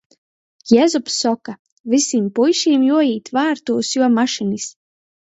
Jezups soka — vysim puišim juoīt vārtūs juo mašynys.